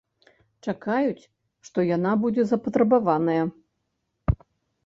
Чакаюць, што яна будзе запатрабаваная.